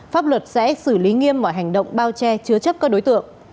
pháp luật sẽ xử lý nghiêm mọi hành động bao che chứa chấp các đối tượng